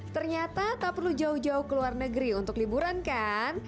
ternyata tak perlu jauh jauh ke luar negeri untuk liburan kan